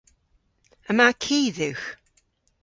Yma ki dhywgh.